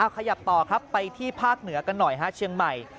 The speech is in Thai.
ขยับต่อครับไปที่ภาคเหนือกันหน่อยฮะเชียงใหม่